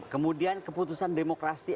kemudian keputusan demokrasi